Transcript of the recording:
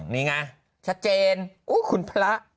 นี่ไงชัดเจนคุณพระ